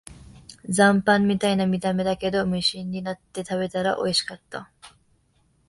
残飯みたいな見た目だけど、無心になって食べたらおいしかった